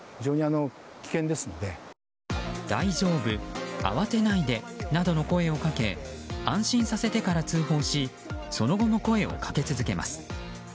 大丈夫、慌てないでなどの声をかけ安心させてから通報しその後も声をかけ続けます。